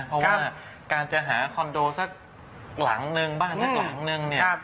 เพราะว่าการจะหาคอนโดสักหลังนึงบ้านสักหลังนึงเนี่ย